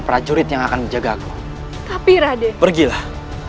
murid yang akan menjaga aku tapi raden pergilah